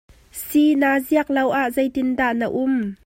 Si naa ziak lo ah zei tiin dah na um?